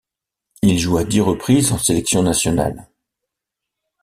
Il joue à dix reprises en sélection nationale.